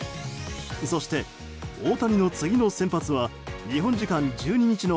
そして、大谷の次の先発は日本時間１２日の